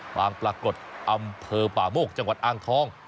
บางปรากฏอำเภอป่าโมกจังหวัดอ่างทอง